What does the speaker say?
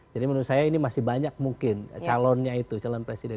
jadi menurut saya ini masih banyak mungkin calonnya itu calon presiden